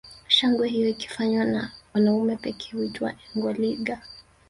Shangwe hiyo ikifanywa na wanaume pekee huitwa engoliga